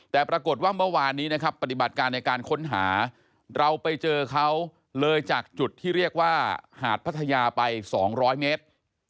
แต่ปรากฏว่าเมื่อวานนี้นะครับปฏิบัติการในการค้นหาเราไปเจอเขาเลยจากจุดที่เรียกว่าหาดพัทยาไป๒๐๐เมตร